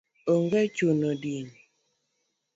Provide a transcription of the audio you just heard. onge chuno din